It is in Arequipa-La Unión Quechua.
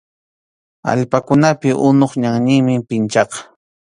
Allpakunapi unup ñanninmi pinchaqa.